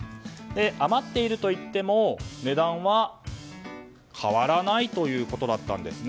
余っているといっても値段は変わらないということだったんですね。